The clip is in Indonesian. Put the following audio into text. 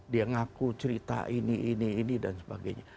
dia ngaku cerita ini ini ini dan sebagainya